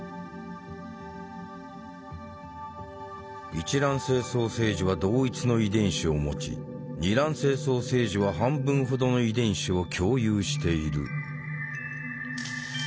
一卵性双生児は同一の遺伝子を持ち二卵性双生児は半分ほどの遺伝子を共有している。